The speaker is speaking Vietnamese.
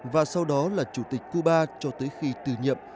và sau đó là chủ tịch cuba cho tới khi từ nhiệm